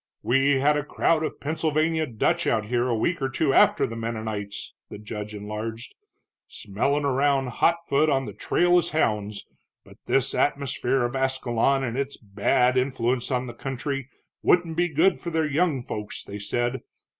"We had a crowd of Pennsylvania Dutch out here a week or two after the Mennonites," the judge enlarged, "smellin' around hot foot on the trail as hounds, but this atmosphere of Ascalon and its bad influence on the country wouldn't be good for their young folks, they said.